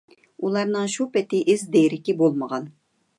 ئۇلارنىڭ شۇ پېتى ئىز-دېرىكى بولمىغان.